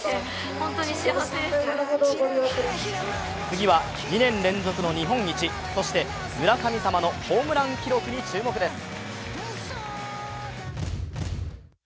次は２年連続の日本一、そして村神様のホームラン記録に注目です。